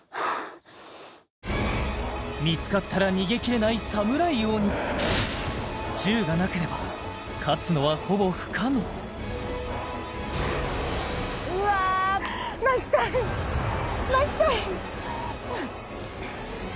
見つかったら逃げきれないサムライ鬼銃がなければ勝つのはほぼ不可能うわっ泣きたい泣きたい